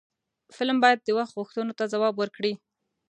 فلم باید د وخت غوښتنو ته ځواب ورکړي